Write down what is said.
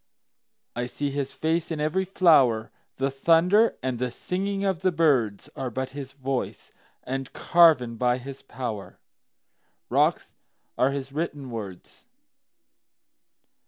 I see his face in every flower; The thunder and the singing of the birdsAre but his voice—and carven by his powerRocks are his written words.